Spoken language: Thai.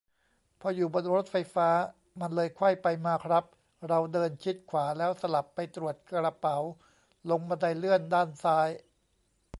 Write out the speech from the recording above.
พออยู่บนรถไฟฟ้า มันเลยไขว้ไปมาครับ เราเดินชิดขวา แล้วสลับไปตรวจกระเป๋าลงบันไดเลื่อนด้านซ้าย